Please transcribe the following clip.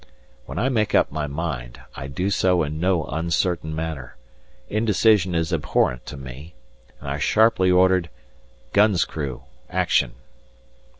When I make up my mind, I do so in no uncertain manner indecision is abhorrent to me and I sharply ordered, "Gun's Crew Action."